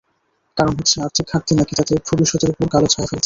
কারণ হচ্ছে, আর্থিক ঘাটতি নাকি তাদের ভবিষ্যতের ওপর কালো ছায়া ফেলছে।